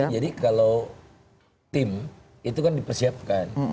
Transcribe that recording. jadi kalau tim itu kan dipersiapkan